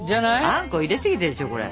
あんこ入れすぎてるでしょこれ。